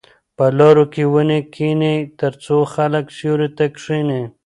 په لارو کې ونې کېنئ ترڅو خلک سیوري ته کښېني.